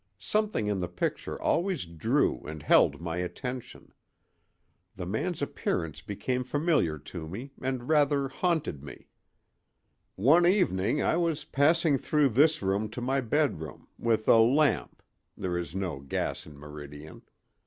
Something in the picture always drew and held my attention. The man's appearance became familiar to me, and rather 'haunted' me. "One evening I was passing through this room to my bedroom, with a lamp—there is no gas in Meridian.